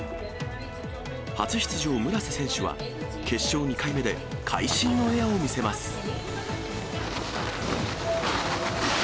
初出場、村瀬選手は決勝２回目で、会心のエアを見せます。